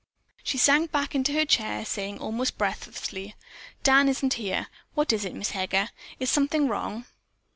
She sank back into her chair, saying, almost breathlessly, "Dan isn't here. What is it, Miss Heger? Is something wrong?"